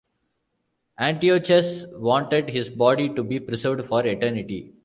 Antiochus wanted his body to be preserved for eternity.